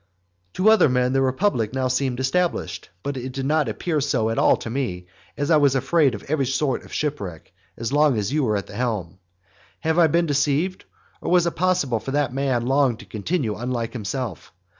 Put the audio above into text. To other men the republic now seemed established, but it did not appear so at all to me, as I was afraid of every sort of shipwreck, as long as you were at the helm. Have I been deceived? or, was it possible for that man long to continue unlike himself?